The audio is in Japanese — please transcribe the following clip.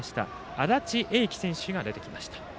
安達英輝選手が出てきました。